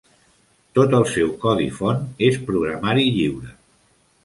Tot el seu codi font és programari lliure.